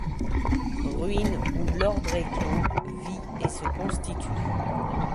Ruine où l'ordre éclôt, vit et se constitue !